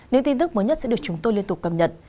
nếu tin tức mới nhất sẽ được chúng tôi liên tục cầm nhận